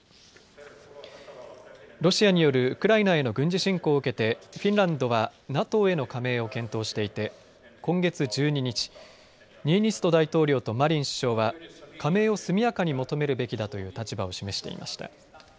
ロシアによるウクライナへの軍事侵攻を受けてフィンランドはＮＡＴＯへの加盟を検討していて今月１２日、ニーニスト大統領とマリン首相は加盟を速やかに求めるべきだという立場を示していました。